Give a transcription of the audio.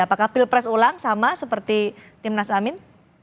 apakah pilpres ulang sama seperti timnas amin